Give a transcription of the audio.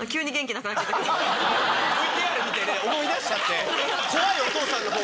ＶＴＲ見てね思い出しちゃって。